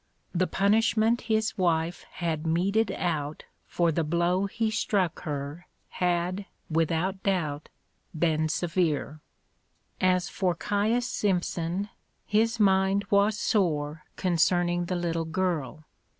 The punishment his wife had meted out for the blow he struck her had, without doubt, been severe. As for Caius Simpson, his mind was sore concerning the little girl.